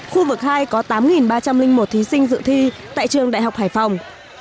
khu vực hai có tám ba trăm linh một thí sinh dự thi tại trường đại học hải phòng